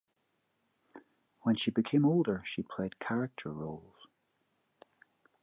When she became older she played character roles.